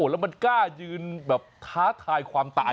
แล้วมันกล้ายืนแบบท้าทายความตาย